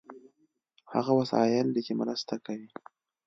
هغه وسایل دي چې مرسته کوي.